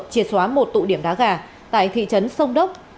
triệt xóa một tụ điểm đá gà tại thị trấn sông đốc